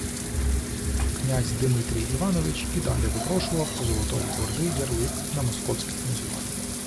Князь Димитрій Іванович і далі випрошував у Золотої Орди «ярлик» на московське князювання